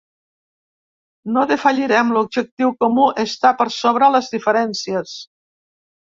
No defallirem, l'objectiu comú està per sobre les diferències.